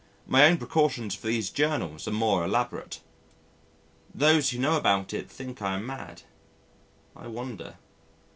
My own precautions for these Journals are more elaborate. Those who know about it think I am mad. I wonder....